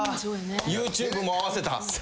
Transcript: ＹｏｕＴｕｂｅも合わせた。